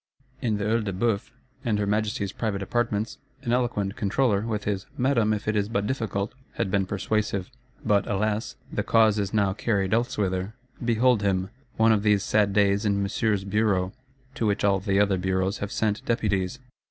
In the Œil de Bœuf, and her Majesty's private Apartments, an eloquent Controller, with his 'Madame, if it is but difficult,' had been persuasive: but, alas, the cause is now carried elsewhither. Behold him, one of these sad days, in Monsieur's Bureau; to which all the other Bureaus have sent deputies.